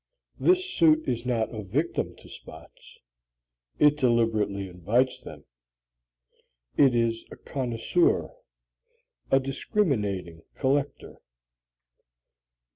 This suit is not a victim to spots it deliberately invites them. It is a connoisseur, a discriminating collector.